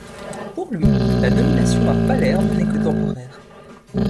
Pour lui la nomination à Palerme n'est que temporaire.